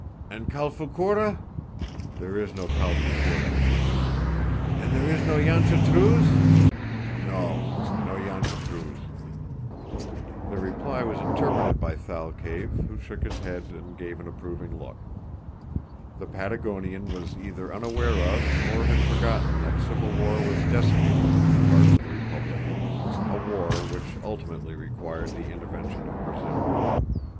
"And Calfoucoura?" "There is no Calfoucoura." "And is there no Yanchetruz?" "No; no Yanchetruz." The reply was interpreted by Thalcave, who shook his head and gave an approving look. The Patagonian was either unaware of, or had forgotten that civil war was decimating the two parts of the republic a war which ultimately required the intervention of Brazil.